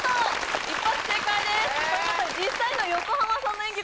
一発正解ですということで実際の横浜さんの演技